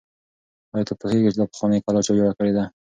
آیا ته پوهېږې چې دا پخوانۍ کلا چا جوړه کړې ده؟